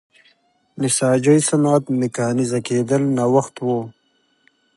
نساجۍ صنعت میکانیزه کېدل نوښت و.